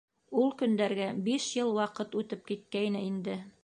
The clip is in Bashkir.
Ул көндәргә биш йыл ваҡыт үтеп киткәйне инде.